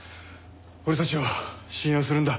俺たちを信用するんだ。